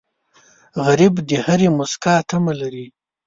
غریب د هرې موسکا تمه لري